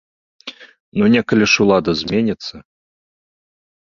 Ну некалі ж улада зменіцца!